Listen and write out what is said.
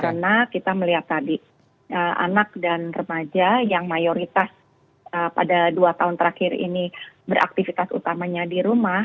dan juga kita melihat tadi anak dan remaja yang mayoritas pada dua tahun terakhir ini beraktivitas utamanya di rumah